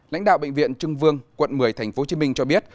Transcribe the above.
lãnh đạo bệnh viện trưng vương quận một mươi tp hcm cho biết